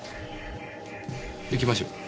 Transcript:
行きましょう。